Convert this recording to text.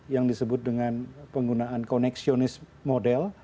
yang disebut dengan penggunaan koneksionis model